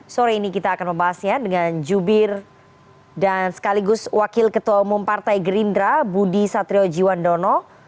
sore ini kita akan membahasnya dengan jubir dan sekaligus wakil ketua umum partai gerindra budi satriojiwandono